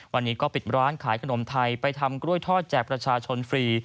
วันนี้ก็ปิดร้านขายขนมไทยไปทำกล้วยทอดแจกประชาชนฟรี